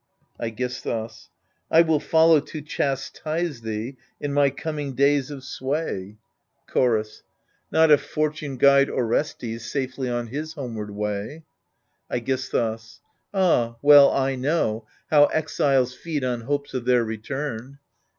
iEOISTHUS I will follow to chastise thee in my coming days of sway. 78 AGAMEMNON Chorus Not if Fortune guide Orestes safely on his homeward way. iEGISTHUS Ah, well I know how exiles feed on hopes of their return.